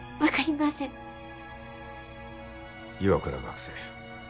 岩倉学生